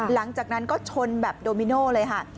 หลังจากนั้นก็ชนแบบโดมิโน่เลยค่ะ